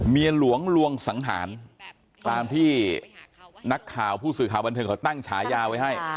หลวงลวงสังหารตามที่นักข่าวผู้สื่อข่าวบันเทิงเขาตั้งฉายาไว้ให้